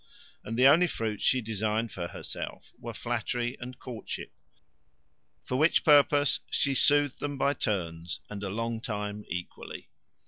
And the only fruits she designed for herself were, flattery and courtship; for which purpose she soothed them by turns, and a long time equally.